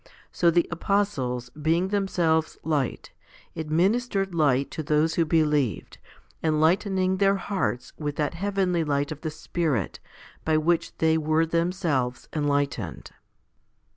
So the apostles, being themselves light, administered light to those, who believed, enlightening their hearts with that heavenly light of the Spirit by which they were themselves enlightened.